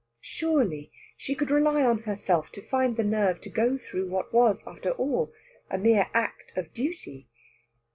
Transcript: Surely she could rely on herself to find the nerve to go through what was, after all, a mere act of duty.